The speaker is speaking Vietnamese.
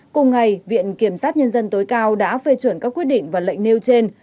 cùng ngày viện kiểm sát nhân dân tối cao đã phê chuẩn các quyết định và lệnh nêu trên